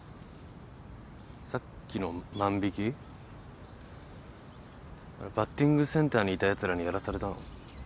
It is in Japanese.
さっきの万引バッティングセンターにいたやつらにやらされたの？